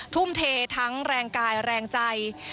ทุ่มเททั้งแรงกายแรงใจ